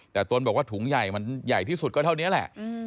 แต่ตนบอกว่าถุงใหญ่มันใหญ่ที่สุดก็เท่านี้แหละ